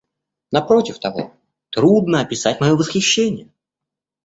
Напротив того, трудно описать мое восхищение.